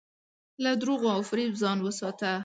له دروغو او فریب ځان وساته.